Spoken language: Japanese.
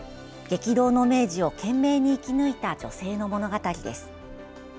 激動の明治を懸命に生き抜いた女性の物語です。